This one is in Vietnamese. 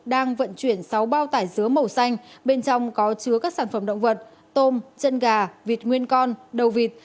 đang vận chuyển sáu bao tải dứa màu xanh bên trong có chứa các sản phẩm động vật tôm chân gà vịt nguyên con đầu vịt